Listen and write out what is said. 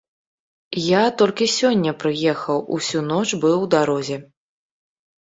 Я толькі сёння прыехаў, усю ноч быў у дарозе.